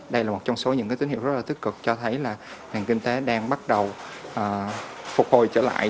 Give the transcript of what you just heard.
đây là một trong số những tín hiệu rất là tích cực cho thấy là nền kinh tế đang bắt đầu phục hồi trở lại